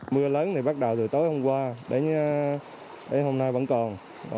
mưa lớn thì bắt đầu từ tối hôm qua đến hôm nay vẫn còn